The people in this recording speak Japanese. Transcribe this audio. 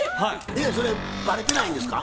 それバレてないんですか？